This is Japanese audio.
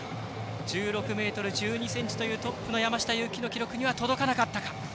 １６ｍ１２ｃｍというトップの山下祐樹の記録には届かなかったか。